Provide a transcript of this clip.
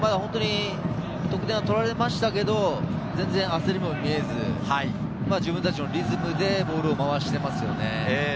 得点は取られましたけれど、焦りも見えず、自分達のリズムでボールを回していますよね。